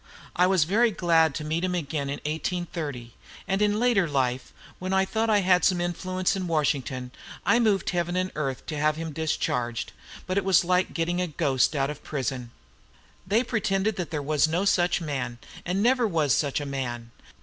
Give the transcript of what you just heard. I was very glad to meet him again in 1830; and later in life, when I thought I had some influence in Washington, I moved heaven and earth to have him discharged. But it was like getting a ghost out of prison. They pretended there was no such man, and never was such a man.